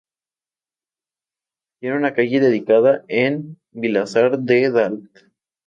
Tiene una calle dedicada en Vilasar de Dalt.